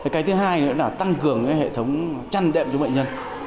cái thứ hai nữa là tăng cường hệ thống chăn đệm cho bệnh nhân